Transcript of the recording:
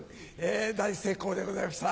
大成功でございました。